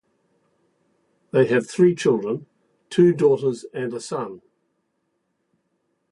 They have three children, two daughters and son.